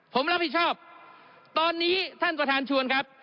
ผมรับผิดชอบตอนนี้ท่านประธานชวนครับ